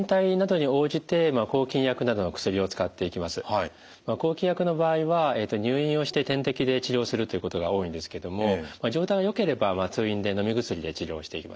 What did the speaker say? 抗菌薬の場合は入院をして点滴で治療するということが多いんですけども状態がよければ通院でのみ薬で治療していきます。